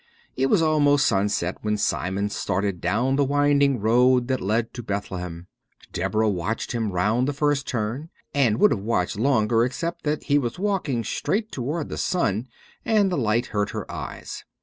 It was almost sunset when Simon started down the winding road that led to Bethlehem. Deborah watched him round the first turn and would have watched longer except that he was walking straight toward the sun and the light hurt her eyes.